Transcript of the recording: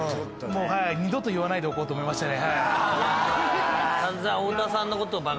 もうはい二度と言わないでおこうと思いましたね